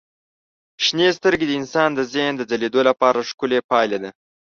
شنې سترګې د انسان د ذهن د ځلېدو لپاره ښکلي پایله ده.